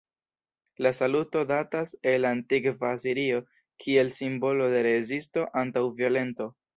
La saluto datas el antikva Asirio kiel simbolo de rezisto antaŭ violento.